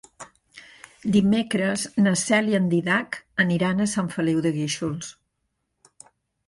Dimecres na Cel i en Dídac aniran a Sant Feliu de Guíxols.